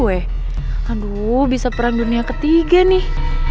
gue aduh bisa perang dunia ketiga nih